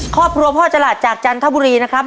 ครอบครัวพ่อจลาดจากจันทบุรีนะครับ